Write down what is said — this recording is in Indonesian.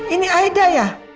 ini aida ya